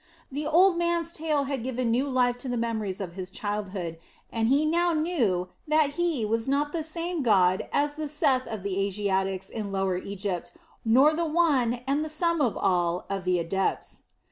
The old man's tale had given new life to the memories of his childhood, and he now knew that He was not the same God as the Seth of the Asiatics in Lower Egypt, nor the "One" and the "Sum of All" of the adepts.